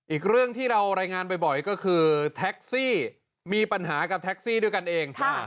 อีกเรื่องที่เรารายงานบ่อยก็คือแท็กซี่มีปัญหากับแท็กซี่ด้วยกันเอง